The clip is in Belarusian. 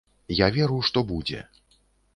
Я веру, што будзе.